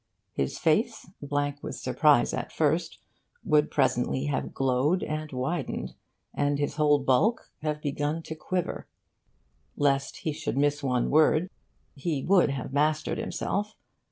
His face, blank with surprise at first, would presently have glowed and widened, and his whole bulk have begun to quiver. Lest he should miss one word, he would have mastered himself.